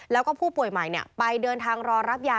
แล้วก็ผู้ป่วยใหม่ไปเดินทางรอรับยา